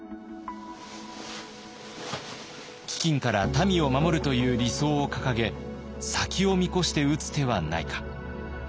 飢饉から民を守るという理想を掲げ先を見越して打つ手はないか。